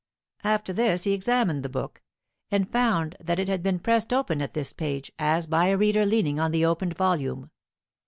After this he examined the book, and found that it had been pressed open at this page, as by a reader leaning on the opened volume.